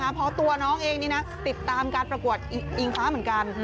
เพราะตัวน้องเองนี่นะติดตามการประกวดอิงฟ้าเหมือนกัน